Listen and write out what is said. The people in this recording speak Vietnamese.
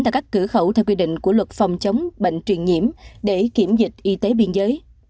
tại các cửa khẩu theo quy định của luật phòng chống bệnh truyền nhiễm để kiểm dịch y tế biên giới